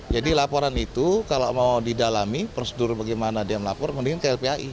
jadi laporan itu kalau mau didalami prosedur bagaimana dia melapor mendingan ke lpai